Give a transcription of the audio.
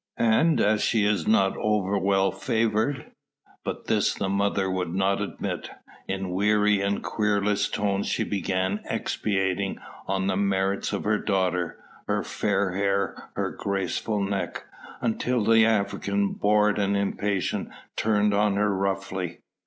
And as she is not over well favoured " But this the mother would not admit. In weary and querulous tones she began expatiating on the merits of her daughter: her fair hair, her graceful neck until the African, bored and impatient, turned on her roughly.